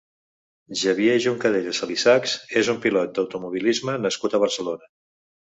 Xavier Juncadella Salisachs és un pilot d'automobilisme nascut a Barcelona.